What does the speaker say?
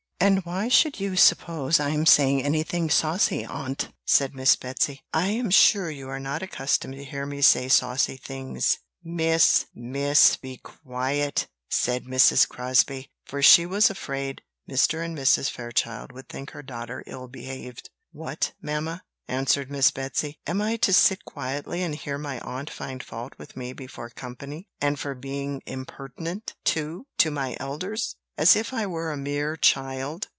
"And why should you suppose I am saying anything saucy, aunt?" said Miss Betsy; "I am sure you are not accustomed to hear me say saucy things." "Miss! Miss! be quiet!" said Mrs. Crosbie; for she was afraid Mr. and Mrs. Fairchild would think her daughter ill behaved. "What, mamma!" answered Miss Betsy, "am I to sit quietly and hear my aunt find fault with me before company and for being impertinent, too, to my elders as if I were a mere child?"